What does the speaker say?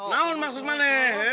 namun maksud mana